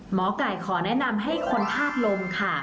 หมอไก่ขอแนะนำให้คนธาตุลมค่ะ